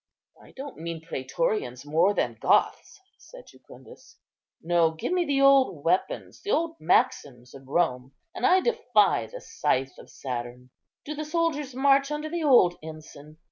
"I don't mean prætorians more than Goths," said Jucundus; "no, give me the old weapons, the old maxims of Rome, and I defy the scythe of Saturn. Do the soldiers march under the old ensign?